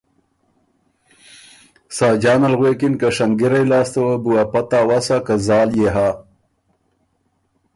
ساجان ال غوېکِن که ”شنګِرئ لاسته وه بو ا پته اوَسا که زال يې هۀ۔